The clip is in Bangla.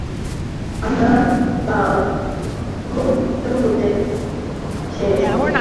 আমরা বাহ্যজগতে যে-সকল শক্তির সহিত পরিচিত, তদপেক্ষা উচ্চতর শক্তিসমূহকে বশে আনিতে হইবে।